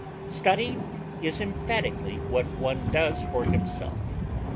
Study is emphatically what one does for himself.